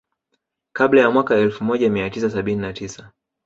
Kabla ya mwaka elfu moja mia tisa sabini na tisa